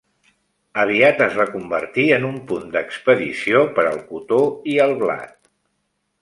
Aviat es va convertir en un punt d'expedició per al cotó i el blat.